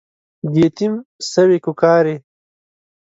د يتيم سوې کوکارې